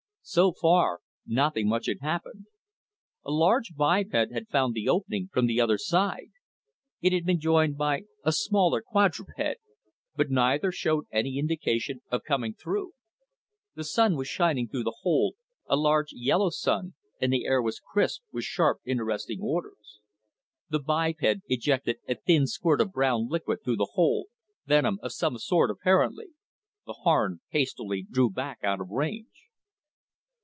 So far, nothing much had happened. A large biped had found the opening from the other side. It had been joined by a smaller quadruped; but neither showed any indication yet of coming through. The sun was shining through the hole, a large young yellow sun, and the air was crisp, with sharp interesting odors._ _The biped ejected a thin squirt of brown liquid through the hole venom of some sort, apparently. The Harn hastily drew back out of range.